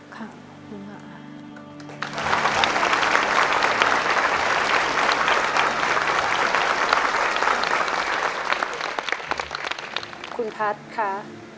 คุณพัฒน์ค่ะ